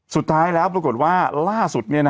สุดท้ายแล้วปรากฏว่าล่าสุด